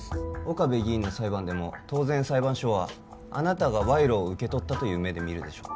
岡部議員の裁判でも当然裁判所はあなたが賄賂を受け取ったという目で見るでしょう